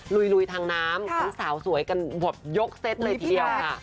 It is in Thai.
ลุยทางน้ำสาวสวยกันหยกเซตเลยเดียว